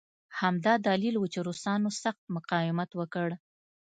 همدا دلیل و چې روسانو سخت مقاومت وکړ